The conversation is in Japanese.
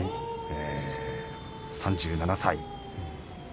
３７歳。